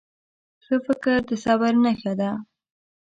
ښه فکر د صبر نښه ده.